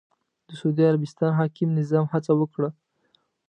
د سعودي عربستان حاکم نظام هڅه وکړه